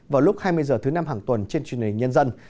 vào lúc hai mươi h thứ năm hàng tuần trên truyền hình nhân dân